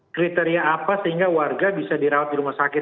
kriteria apa sehingga warga bisa dirawat di rumah sakit